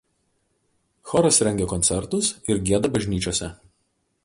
Choras rengia koncertus ir gieda bažnyčiose.